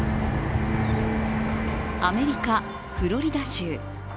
アメリカ・フロリダ州。